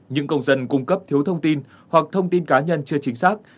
những công dân cung cấp thiếu thông tin hoặc thông tin cá nhân chưa chính xác